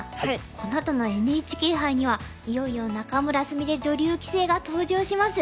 このあとのＮＨＫ杯にはいよいよ仲邑菫女流棋聖が登場します。